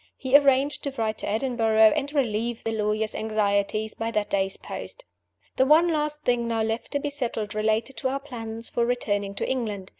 He arranged to write to Edinburgh, and relieve the lawyer's anxieties by that day's post. The one last thing now left to be settled related to our plans for returning to England.